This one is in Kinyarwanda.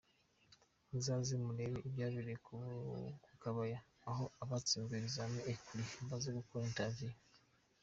muzaze murebe ibyabereye ku Kabaya aho abatsinzwe examen ecrit baza gukora interview.